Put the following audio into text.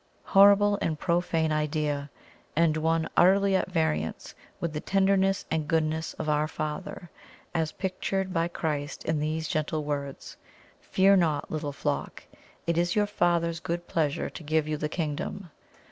Horrible and profane idea! and one utterly at variance with the tenderness and goodness of "Our Father" as pictured by Christ in these gentle words "Fear not, little flock; it is your Father's good pleasure to give you the Kingdom."